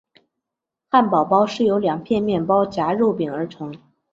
汉堡包是由两片面包夹肉饼而成。